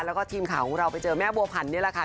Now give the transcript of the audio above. แล้วก็ทีมข่าวของเราไปเจอแม่บัวผันนี่แหละค่ะ